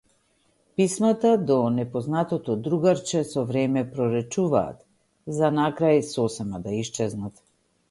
Писмата до непознатото другарче со време проретчуваат за на крај сосема да исчезнат.